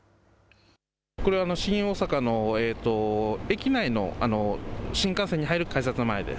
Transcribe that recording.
これは新大阪の駅内の新幹線に入る改札の前です。